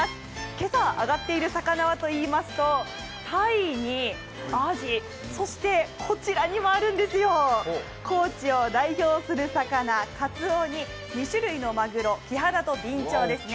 今朝揚がっている魚はといいますとタイにアジ、そしてこちらにもあるんですよ、高知を代表する魚、カツオに２種類のまぐろ、キハダとビンチョウですね。